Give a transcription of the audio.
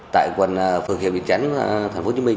tại quận phường hiệp việt chánh thành phố hồ chí minh